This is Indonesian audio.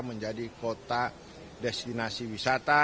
menjadi kota destinasi wisata